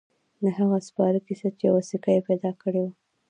د هغه سپاره کیسه چې یوه سکه يې پیدا کړې وه.